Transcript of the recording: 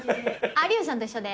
有吉さんと一緒で。